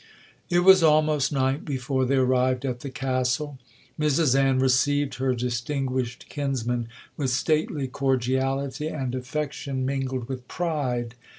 'It was almost night before they arrived at the Castle. Mrs Ann received her distinguished kinsman with stately cordiality, and affection mingled with pride.